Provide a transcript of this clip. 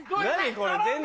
これ。